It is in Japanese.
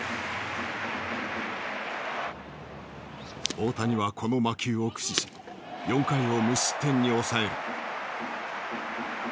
大谷はこの魔球を駆使し４回を無失点に抑える。